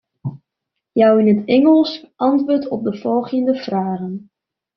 Jou yn it Ingelsk antwurd op de folgjende fragen.